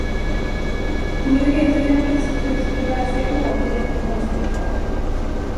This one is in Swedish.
Hon ville veta hur en prästfru skulle bära sig åt i detta konstiga fall.